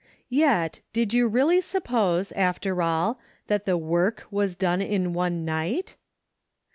Yet, did you really suppose, after all, that the work was done in one night